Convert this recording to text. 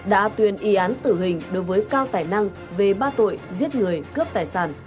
đã tuyên y án tử hình đối với cao tài năng về ba tội giết người cướp tài sản